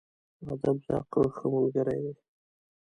ادب د عقل ښه ملګری دی.